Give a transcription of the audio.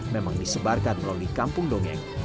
memang disebarkan melalui kampung dongeng